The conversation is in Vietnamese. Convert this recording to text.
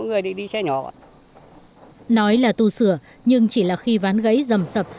nói là tu sửa nhưng chỉ là khi ván gãy dầm sập